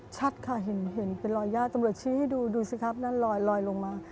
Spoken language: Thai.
ชัดค่ะเห็นเป็นรอยย่าตำรวจชี้ให้ดูดูสิครับนั่นลอยลงมา